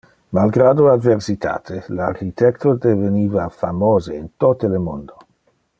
Malgrado adversitate, le architecto deveniva famose in tote le mundo.